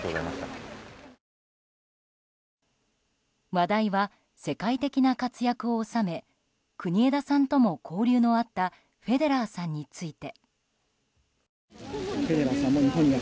話題は、世界的な活躍を収め国枝さんとも交流のあったフェデラーさんについて。